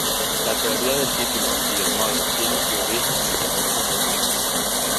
La teoría del título y el modo tiene su origen en el Derecho romano.